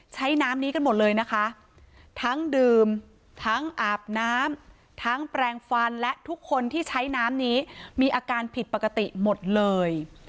ใช้น้ำนี้กันหมดเลยนะคะทั้งดื่มทั้งอาบน้ำทั้งแปลงฟันและทุกคนที่ใช้น้ำนี้มีอาการผิดปกติหมดเลย